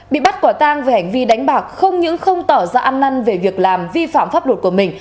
bị bắt quả tang về hành vi đánh bạc không những không tỏ ra ăn năn về việc làm vi phạm pháp luật của mình